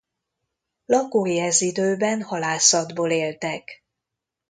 Lakói ez időben halászatból éltek.